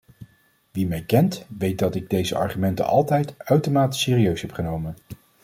Wie mij kent, weet dat ik deze argumenten altijd uitermate serieus heb genomen.